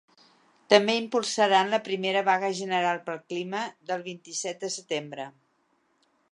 També impulsaran la primera vaga general pel clima del vint-i-set de setembre.